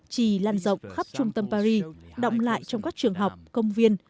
trì lan rộng khắp trung tâm paris động lại trong các trường học công viên